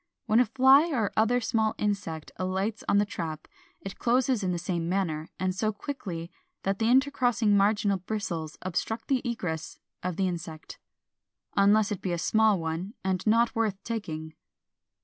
When a fly or other small insect alights on the trap, it closes in the same manner, and so quickly that the intercrossing marginal bristles obstruct the egress of the insect, unless it be a small one and not worth taking.